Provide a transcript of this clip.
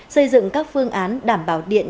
xây dựng các phương án đảm bảo điện